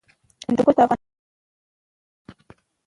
هندوکش د افغانستان د طبیعي زیرمو برخه ده.